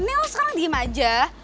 nih lo sekarang diem aja